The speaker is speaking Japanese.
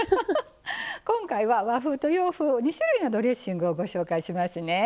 今回は和風と洋風２種類のドレッシングをご紹介しますね。